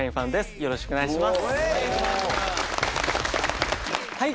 よろしくお願いします